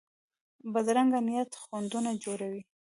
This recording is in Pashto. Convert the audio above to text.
بدرنګه نیت خنډونه جوړوي